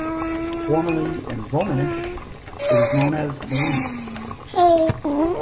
Formerly, in Romansh, it was known as "Molinas".